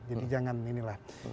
jadi jangan inilah